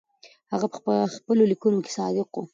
هغه په خپلو لیکنو کې صادق و.